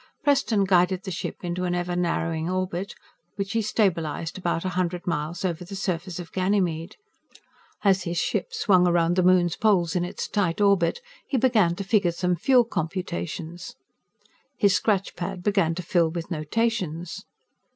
Preston guided the ship into an ever narrowing orbit, which he stabilized about a hundred miles over the surface of Ganymede. As his ship swung around the moon's poles in its tight orbit, he began to figure some fuel computations. His scratch pad began to fill with notations.